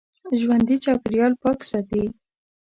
ژوندي چاپېریال پاک ساتي